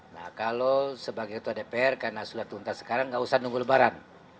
nah kalau sebagai ketua dpr karena sudah tuntas sekarang nggak usah nunggu lebaran